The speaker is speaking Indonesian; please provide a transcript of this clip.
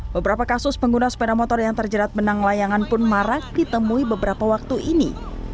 beberapa kasus pengguna sepeda motor yang terjerat benang layangan pun marak ditemui beberapa waktu ini